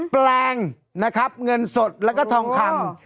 แปลงนะครับเงินสดแล้วก็ทองคำ